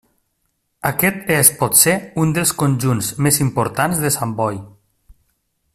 Aquest és potser un dels conjunts més importants de Sant Boi.